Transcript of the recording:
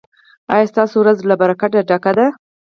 ایا ستاسو ورځ له برکته ډکه ده؟